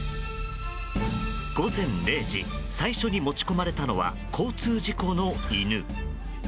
午前０時最初に持ち込まれたのは交通事故の犬。